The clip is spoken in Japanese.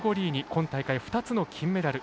今大会２つの金メダル。